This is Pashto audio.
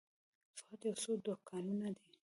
فقط یو څو دوکانونه دي.